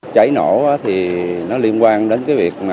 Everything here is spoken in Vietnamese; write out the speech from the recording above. cháy nổ liên quan đến việc